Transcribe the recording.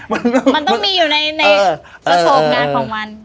มันต้องมีอยู่ในประสบงานของมัน